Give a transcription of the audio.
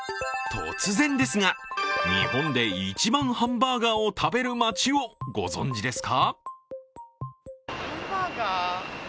突然ですが、日本で一番ハンバーガーを食べる街をご存じですか？